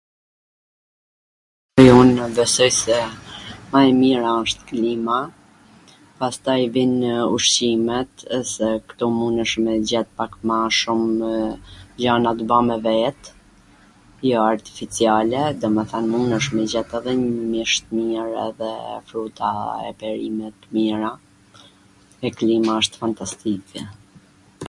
unw besoj se ma e mira asht klima, pastaj vijnw ushqimet, se ktu munesh me i gjet pak ma shumw, janw t bame vet, jo artificiale, domethwn mundesh me i gjet edhe mish t mir edhe fruta e perime t mira, e klima wsht fantastike.